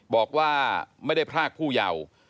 บอกว่าไม่ได้พรากผู้เยาว์